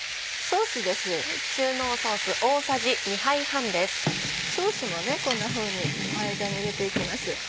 ソースもこんなふうに間に入れて行きます。